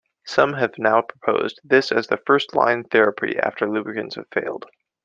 Some have now proposed this as the first line therapy after lubricants have failed.